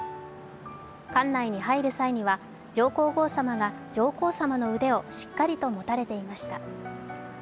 館内に入る際には上皇后さまが上皇さまの腕をしっかりと持たれていました。